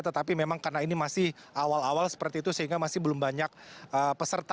tetapi memang karena ini masih awal awal seperti itu sehingga masih belum banyak peserta